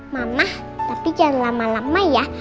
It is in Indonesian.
mamah tapi jangan lama lama ya